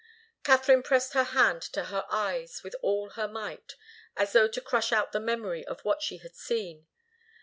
Katharine pressed her hand to her eyes with all her might, as though to crush out the memory of what she had seen.